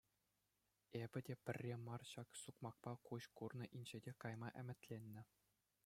Эпӗ те пӗрре мар ҫак сукмакпа куҫ курнӑ инҫете кайма ӗмӗтленнӗ.